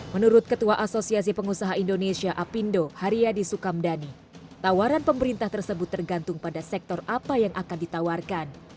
menurut ketua asosiasi pengusaha indonesia apindo haryadi sukamdhani tawaran pemerintah tersebut tergantung pada sektor apa yang akan ditawarkan